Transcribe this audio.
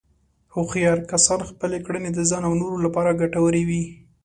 هوښیار کسان خپلې کړنې د ځان او نورو لپاره ګټورې وي.